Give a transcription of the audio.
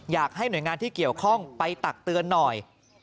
อยากให้หน่วยงานที่เกี่ยวข้องไปตักเตือนหน่อย